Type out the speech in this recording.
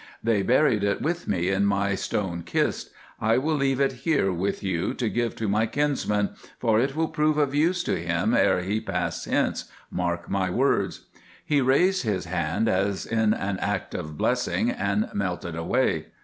They buried it with me in my stone kist; I will leave it here with you to give to my kinsman, for it will prove of use to him e'er he pass hence—mark my words.' "He raised his hand as in act of blessing, and melted away.